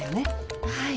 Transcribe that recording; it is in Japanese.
はい。